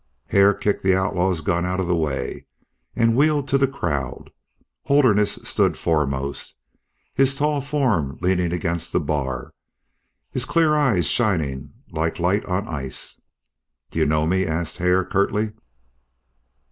Hare kicked the outlaw's gun out of the way, and wheeled to the crowd. Holderness stood foremost, his tall form leaning against the bar, his clear eyes shining like light on ice. "Do you know me?" asked Hare, curtly.